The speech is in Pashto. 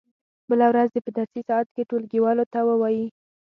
بله ورځ دې په درسي ساعت کې ټولګیوالو ته و وایي.